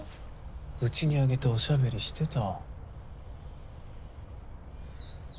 家に上げておしゃべりしてた。